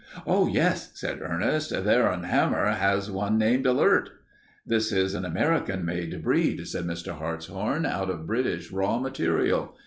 "Oh, yes," said Ernest. "Theron Hammond has one named Alert." "This is an American made breed," said Mr. Hartshorn, "out of British raw material.